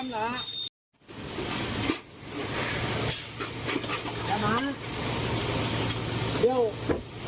น่าลูก